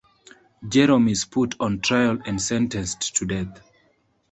Jerome is put on trial and sentenced to death.